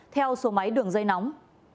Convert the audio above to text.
theo số máy đường dây nóng